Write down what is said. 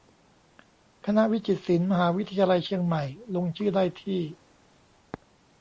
คณะวิจิตรศิลป์ มหาวิทยาลัยเชียงใหม่ ลงชื่อได้ที่